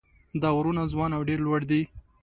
دا غرونه ځوان او ډېر لوړ دي.